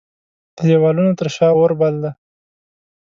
د دیوالونو تر شا اوربل دی